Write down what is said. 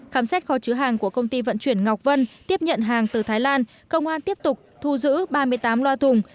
khám xét kho chứa hàng của công ty vận chuyển ngọc vân tiếp nhận hàng từ thái lan công an tiếp tục thu giữ ba mươi tám loa thùng